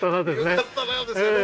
「よかったな」ですよね。